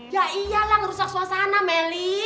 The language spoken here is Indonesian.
ya iyalah ngerusak suasana melly